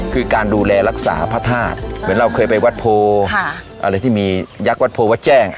คือการดูแลรักษาพรถาสเหมือนเราเคยไปวัดโพยักษ์วัดโพเจ่ง